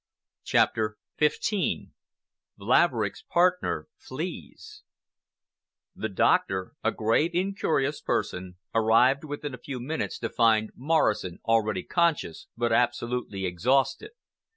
CHAPTER XV LAVERICK's PARTNER FLEES The doctor, a grave, incurious person, arrived within a few minutes to find Morrison already conscious but absolutely exhausted.